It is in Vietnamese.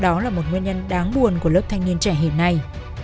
đó là một nguyên nhân đáng buồn của lớp thanh niên trẻ hình này